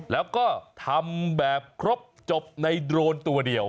แล้วก็ทำแบบครบจบในโดรนตัวเดียว